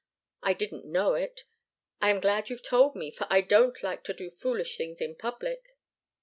I didn't know it. I am glad you've told me, for I don't like to do foolish things in public."